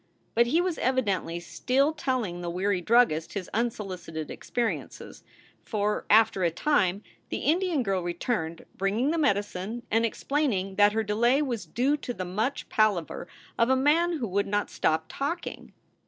But he was evidently still telling the weary druggist his unsolicited experiences, for, after a time, the Indian girl returned, bringing the medicine and explaining that her delay was due to the much palaver of a man who would not stop talking.